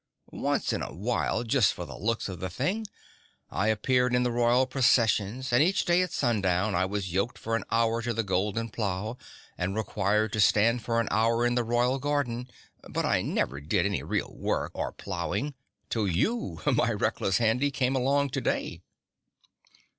Once in a while just for the looks of the thing, I appeared in Royal Processions, and each day at sundown I was yoked for an hour to the golden plough and required to stand for an hour in the royal garden. But I never did any real work or ploughing, till you, my reckless Handy, came along today."